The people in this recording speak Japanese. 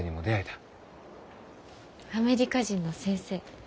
アメリカ人の先生？